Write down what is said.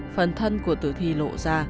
phần thân của tử thi lộ ra